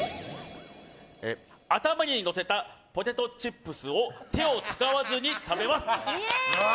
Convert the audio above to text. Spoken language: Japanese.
頭に乗せたポテトチップスを手を使わずに食べます。